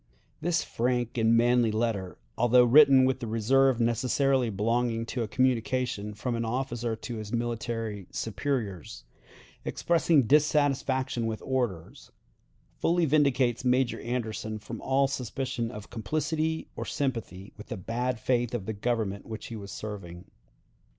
This frank and manly letter, although written with the reserve necessarily belonging to a communication from an officer to his military superiors, expressing dissatisfaction with orders, fully vindicates Major Anderson from all suspicion of complicity or sympathy with the bad faith of the Government which he was serving.